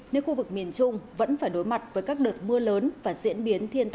nếu khu vực miền trung vẫn phải đối mặt với các đợt mưa lớn và diễn biến thiên tai